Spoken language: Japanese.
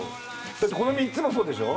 だってこの３つもそうでしょ？